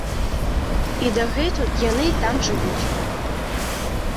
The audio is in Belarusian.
І дагэтуль яны там жывуць.